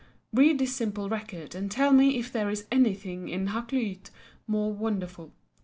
Read this simple record and tell me if there is anything in Hakluyt more wonderful.